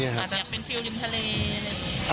อาจจะอยากเป็นฟิลดินทะเล